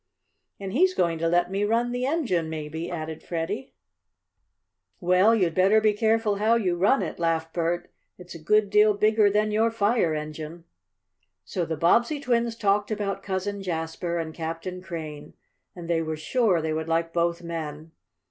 "And he's going to let me run the engine maybe," added Freddie. "Well, you'd better be careful how you run it," laughed Bert. "It's a good deal bigger than your fire engine." So the Bobbsey twins talked about Cousin Jasper and Captain Crane, and they were sure they would like both men.